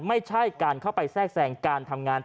ไม่ใช่การเข้าไปแทรกแทรงการทำงาน